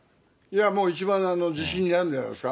もう一番自信になるんじゃないですか。